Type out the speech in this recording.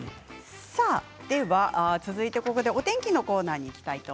続いて、ここでお天気のコーナーです。